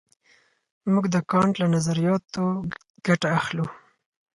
موږ د کانټ له نظریاتو ګټه اخلو.